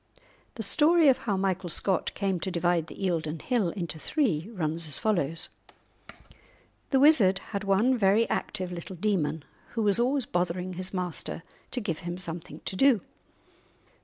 The story of how Michael Scott came to divide the Eildon Hill into three runs as follows:— The wizard had one very active little demon, who was always bothering his master to give him something to do.